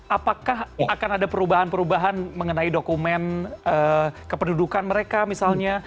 apakah akan ada perubahan perubahan mengenai dokumen kependudukan mereka misalnya